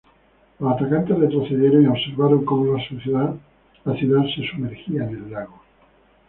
Los atacantes retrocedieron y observaron como la ciudad se sumergía en el lago.